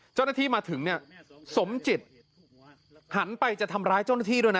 เจ้าหน้าที่มาถึงเนี่ยสมจิตหันไปจะทำร้ายเจ้าหน้าที่ด้วยนะ